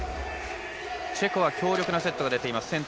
チェコは強力なセットが出ています。